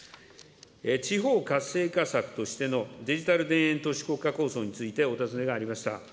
地方活性化策としてのデジタル田園都市国家構想についてお尋ねがありました。